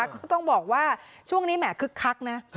ก็ต้องบอกว่าช่วงนี้แหมคึกคักนะ